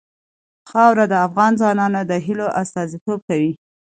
خاوره د افغان ځوانانو د هیلو استازیتوب کوي.